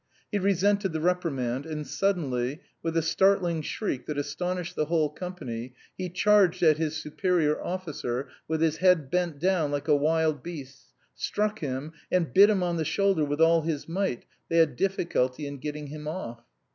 He resented the reprimand and suddenly, with a startling shriek that astonished the whole company, he charged at his superior officer with his head bent down like a wild beast's, struck him, and bit him on the shoulder with all his might; they had difficulty in getting him off.